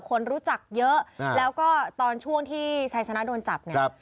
คนรู้จักเยอะแล้วก็ตอนช่วงที่ชัยชนะโดนจับเนี่ย